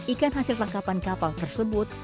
ikan hasil tangkapan kapal tersebut